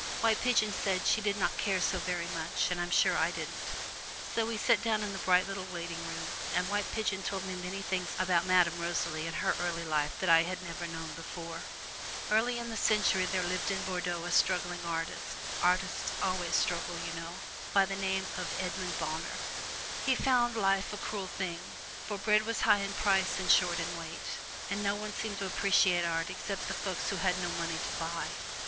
White Pigeon said she did not care so very much, and I'm sure I didn't. So we sat down in the bright little waiting room, and White Pigeon told me many things about Madame Rosalie and her early life that I had never known before. Early in the century there lived in Bordeaux a struggling artist (artists always struggle, you know) by the name of Raymond Bonheur. He found life a cruel thing, for bread was high in price and short in weight, and no one seemed to appreciate art except the folks who had no money to buy.